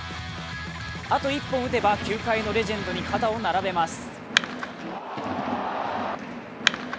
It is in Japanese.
あと１本打てば、球界のレジェンドに肩を並べます。